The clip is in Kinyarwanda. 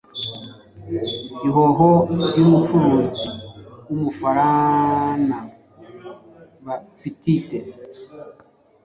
Ihuho yumucuruzi wumufarana Baptite